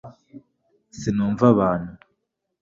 sinumva abantu